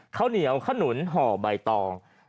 ข้าวเหนียวขนุนห่อใบตอง